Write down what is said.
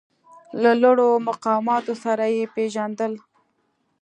له لوړو مقاماتو سره یې پېژندل.